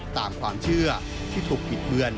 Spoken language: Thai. ตามความเชื่อที่ถูกบิดเบือน